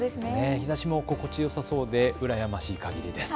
日ざしも心地よさそうで羨ましい感じです。